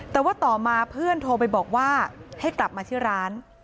แต่ว่าต่อมาเพื่อนโทรไปบอกว่าให้กลับมาที่ร้าน